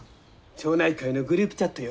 町内会のグループチャットよ。